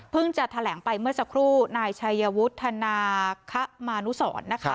เพิ่งจะแถลงไปเมื่อสักครู่นายชายวุฒิธนาคมนุษศ์